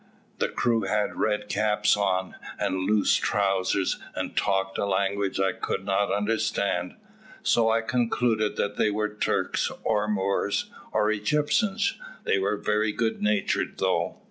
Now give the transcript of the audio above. The crew had red caps on, and loose trousers, and talked a language I could not understand, so I concluded that they were Turks or Moors, or Egyptians; they were very good natured though.